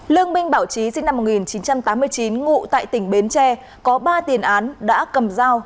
lương minh bảo trí sinh năm một nghìn chín trăm tám mươi chín ngụ tại tỉnh bến tre có ba tiền án đã cầm dao